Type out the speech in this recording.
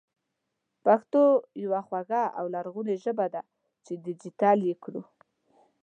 پښتو يوه خواږه او لرغونې ژبه ده چې ډېجېټل يې کړو